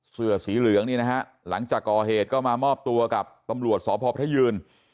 เสื้อสีเหลืองนี่นะฮะหลังจากก่อเหตุก็มามอบตัวกับตำรวจสพพระยืน